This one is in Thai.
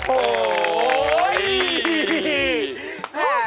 โอ้โห